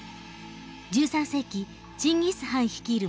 １３世紀チンギス・ハン率いる